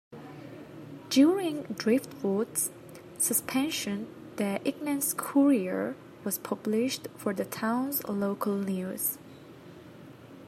During "Driftwood"'s suspension, the "Ignace Courier" was published for the town's local news.